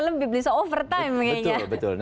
lebih bisa overtime betul